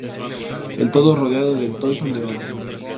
El todo rodeado del Toisón de Oro.